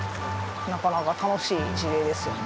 なかなか楽しい事例ですよね。